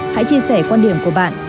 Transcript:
hãy chia sẻ quan điểm của bạn